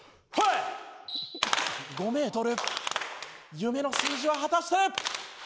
夢の数字は果たして。